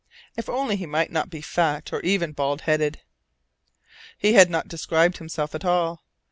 If only he might not be fat or very bald headed! He had not described himself at all.